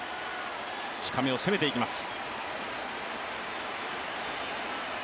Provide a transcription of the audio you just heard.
近めを攻めていきます。